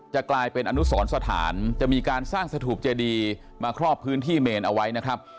จะกลายเป็นอนุสรสถานจะมีการสร้างสถูปเจดีมาครอบพื้นที่เมนเอาไว้นะครับ